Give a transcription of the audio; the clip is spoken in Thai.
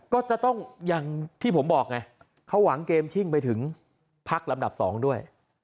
ก็จะต้องอย่างที่ผมบอกไงเขาหวังเกมชิ่งไปถึงพักลำดับ๒ด้วย